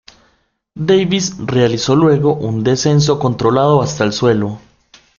Davis realizó luego un descenso controlado hasta el suelo.